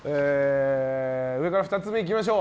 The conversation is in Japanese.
上から２つ目いきましょう。